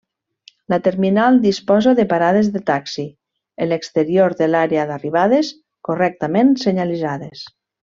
La terminal disposa de parades de taxi en l'exterior de l'àrea d'arribades correctament senyalitzades.